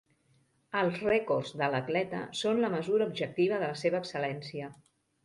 Els rècords de l'atleta són la mesura objectiva de la seva excel·lència.